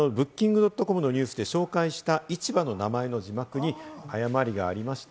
先ほどＢｏｏｋｉｎｇ．ｃｏｍのニュースで紹介した市場の名前の字幕に誤りがありました。